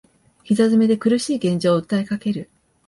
膝詰めで苦しい現状を訴えかける